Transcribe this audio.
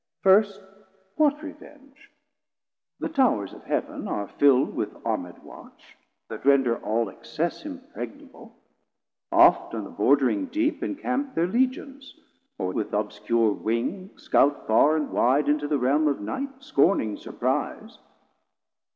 First, what Revenge? the Towrs of Heav'n are fill'd With Armed watch, that render all access 130 Impregnable; oft on the bordering Deep Encamp thir Legions, or with obscure wing Scout farr and wide into the Realm of night, Scorning surprize.